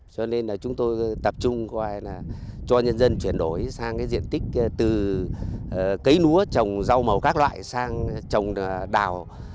cho nên là chúng tôi tập trung coi là cho nhân dân chuyển đổi sang cái diện tích từ cấy lúa trồng rau màu các loại sang trồng đào